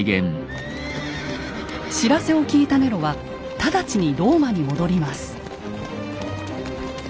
知らせを聞いたネロは直ちにローマに戻ります。